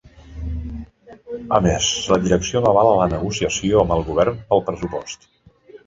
A més, la direcció no avala la negociació amb el govern pel pressupost.